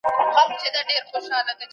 الوچې د هاضمې لپاره ښې دي.